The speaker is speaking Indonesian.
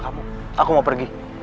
aku mau pergi